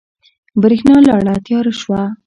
برېښنا لاړه تیاره شوه